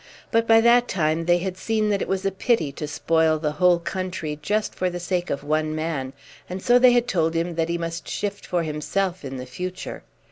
But by that time they had seen that it was a pity to spoil the whole country just for the sake of one man, and so they had told him that he must shift for himself in the future.